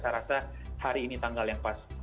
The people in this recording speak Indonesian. saya rasa hari ini tanggal yang pas